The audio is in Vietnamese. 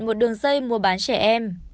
một đường dây mua bán trẻ em